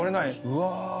うわ。